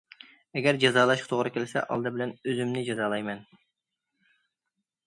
ئەگەر جازالاشقا توغرا كەلسە ئالدى بىلەن ئۆزۈمنى جازالايمەن.